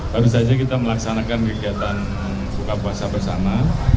baru saja kita melaksanakan kegiatan buka puasa bersama